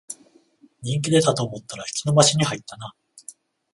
人気出たと思ったら引き延ばしに入ったな